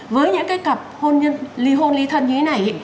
với những cái cặp li hôn li thân như thế này